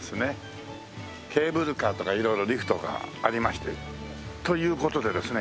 ケーブルカーとか色々リフトがありまして。という事でですね